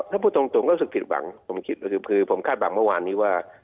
ถ้าพูดตรงก็รู้สึกผิดหวังผมคิดก็คือผมคาดหวังเมื่อวานนี้ว่า